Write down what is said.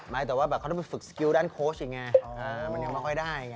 แต่ว่าแบบเขาต้องไปฝึกสกิลด้านโค้ชอีกไงมันยังไม่ค่อยได้ไง